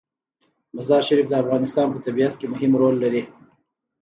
مزارشریف د افغانستان په طبیعت کې مهم رول لري.